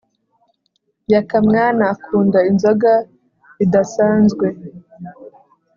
Yakamwana akunda inzoga bidasanzwe